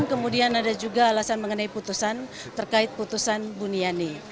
kemudian ada juga alasan mengenai putusan terkait putusan buniani